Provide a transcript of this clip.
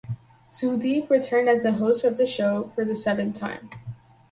Sudeep returned as the host of the show for the seventh time.